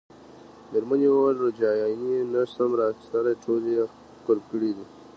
مېرمنې وویل: روجایانې نه شم را اخیستلای، ټولې یې قلف کړي دي.